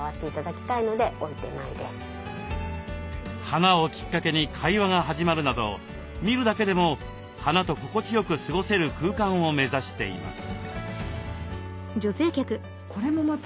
花をきっかけに会話が始まるなど見るだけでも花と心地よく過ごせる空間を目指しています。